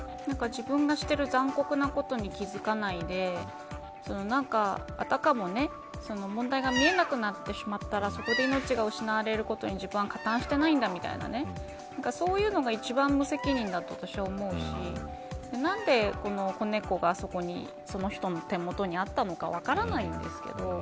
自分がしている残酷な事ことに気付かないであたかも、問題が見えなくなってしまったらそこで命が失われることに自分は加担していないんだみたいなそういうのが一番無責任だと私は思うしなんで子猫がその人の手元にあったのか分からないんですけど